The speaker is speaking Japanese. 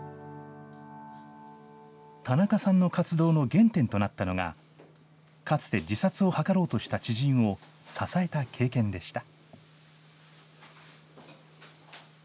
田中さんの活動の原点となったのが、かつて自殺を図ろうとした知人を支えた経験でした。